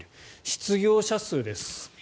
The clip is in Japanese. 失業者数です。